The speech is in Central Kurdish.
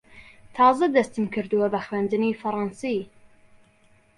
تازە دەستم کردووە بە خوێندنی فەڕەنسی.